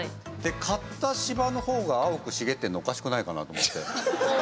刈った芝の方が青く茂ってんのおかしくないかなと思って。